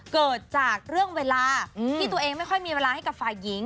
เกิดจากเรื่องเวลาที่ตัวเองไม่ค่อยมีเวลาให้กับฝ่ายหญิง